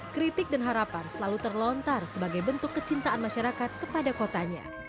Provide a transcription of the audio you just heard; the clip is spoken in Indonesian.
kritik dan harapan selalu terlontar sebagai bentuk kecintaan masyarakat kepada kotanya